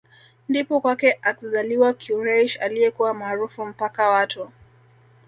Ndipo kwake akzaliwa Quraysh aliyekuwa maarufu mpaka watu